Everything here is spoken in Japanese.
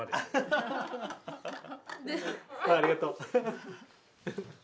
ありがとう。